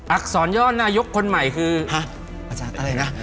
อักษรย่อนายกคนใหม่คือภาษาอะไรนะ